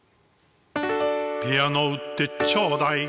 ピアノ売ってちょうだい。